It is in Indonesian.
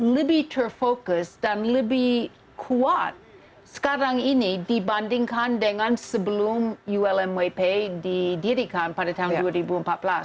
lebih terfokus dan lebih kuat sekarang ini dibandingkan dengan sebelum ulmy pay didirikan pada tahun dua ribu empat belas